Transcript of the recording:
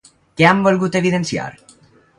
Què han volgut evidenciar?